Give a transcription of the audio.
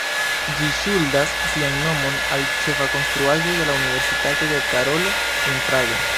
Ĝi ŝuldas sian nomon al ĉefa konstruaĵo de la Universitato de Karolo en Prago.